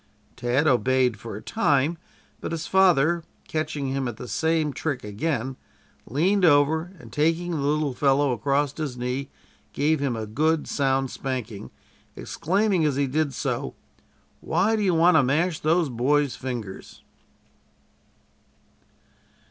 Tad obeyed for a time, but his father, catching him at the same trick again, leaned over, and taking the little fellow across his knee, gave him a good, sound spanking, exclaiming as he did so: "Why do you want to mash those boys' fingers?"